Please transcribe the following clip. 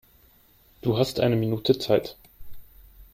Du hast eine Minute Zeit.